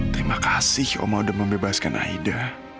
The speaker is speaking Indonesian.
terima kasih omo udah membebaskan aida